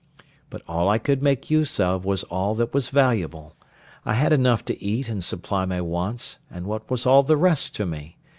But all I could make use of was all that was valuable: I had enough to eat and supply my wants, and what was all the rest to me?